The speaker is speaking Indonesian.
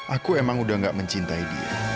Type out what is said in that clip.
aku emang udah gak mencintai dia